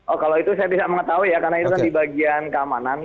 oh kalau itu saya tidak mengetahui ya karena itu kan di bagian keamanan